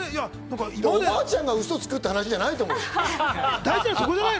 おばあちゃんがウソをつくって話じゃないと思うよ。